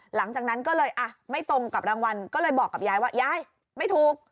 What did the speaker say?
หลังจากนั้นก็เลยอ่ะไม่ตรงกับรางวัลก็เลยบอกกับยายว่ายายไม่ถูก